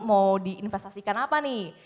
mau diinvestasikan apa nih